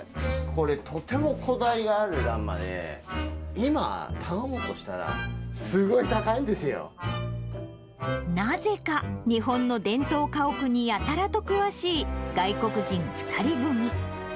これ、とてもこだわりがあるらんまで、今、頼もうとしたら、すごい高いなぜか、日本の伝統家屋にやたらと詳しい外国人２人組。